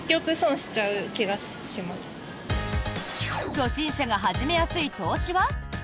初心者が始めやすい投資は？